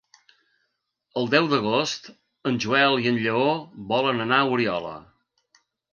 El deu d'agost en Joel i en Lleó volen anar a Oriola.